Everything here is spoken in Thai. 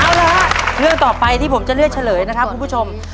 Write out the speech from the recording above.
เอาละฮะเรื่องต่อไปที่ผมจะเลือกเฉลยนะครับคุณผู้ชม